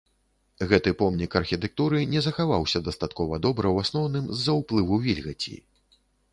Гэты помнік архітэктуры не захаваўся дастаткова добра ў асноўным з-за ўплыву вільгаці.